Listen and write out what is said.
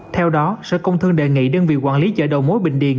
theo đó sở công thương đề nghị đơn vị quản lý chợ đầu mối bình điền